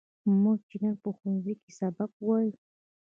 موږ چې نن په ښوونځي کې سبق وایو.